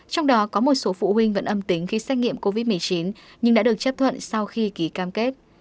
trong đó có một số phụ huynh vẫn âm tính khi xét nghiệm covid một mươi chín nhưng đã được chấp thuận sau khi ký cam kết